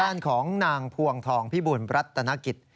ด้านของนางภวงธองพี่บุญรัศติณกิร์ต